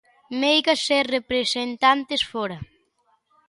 Meigas e representantes fóra.